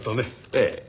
ええ。